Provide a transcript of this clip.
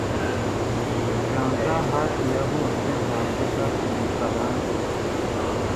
Ganza hafi ya yose ntavuga igifaransa.